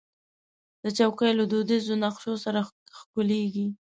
چوکۍ له دودیزو نقشو سره ښکليږي.